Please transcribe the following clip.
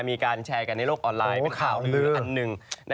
มีการแชร์กันในโลกออนไลน์เป็นข่าวลื้ออันหนึ่ง